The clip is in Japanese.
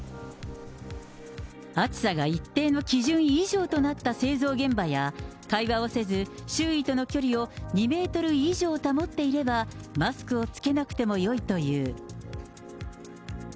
暑さが一定の基準以上となった製造現場や、会話をせず、周囲との距離を２メートル以上保っていれば、マスクを着けなくてもよいという。